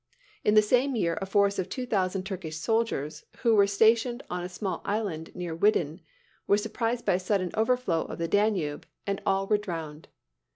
In the same year a force of two thousand Turkish soldiers, who were stationed on a small island near Widdin, were surprised by a sudden overflow of the Danube and all were drowned.